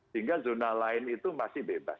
sehingga zona lain itu masih bebas